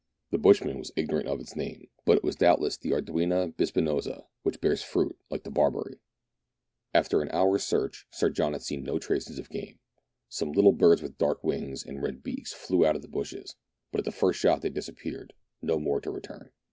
The bushman was igno rant of its name, but it was doubtless the Arduina bispinosa^ which bears fruit like the barberry. 19a meridiana; the adventures of After an hour's search Sir John had seen no trace of game. Some little birds with dark wings and red beaks flew out of the bushes, but at the first shot they disappeared, no more to return.